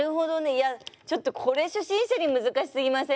いやちょっとこれ初心者に難しすぎません？